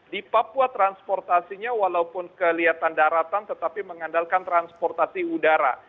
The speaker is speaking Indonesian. di papua transportasinya walaupun kelihatan daratan tetapi mengandalkan transportasi udara